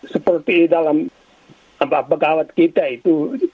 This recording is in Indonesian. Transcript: seperti dalam pegawai kita itu